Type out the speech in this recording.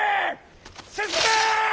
進め！